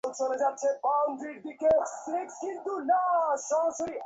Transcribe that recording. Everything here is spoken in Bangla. আমরা ডেকেছি কি না এসব কোন ম্যাটার করে না এখন।